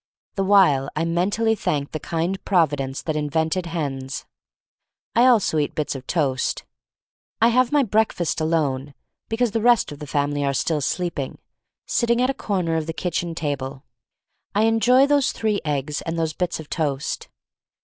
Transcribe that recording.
The while I mentally thank the kind Providence that invented hens. Also I eat bits of toast. I have my breakfast alone — because the rest of the family are still sleeping, — sitting at a corner of the kitchen table. I enjoy those three eggs and those bits of toast.